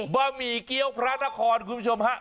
บะหมี่เกี้ยวพระนครคุณผู้ชมฮะ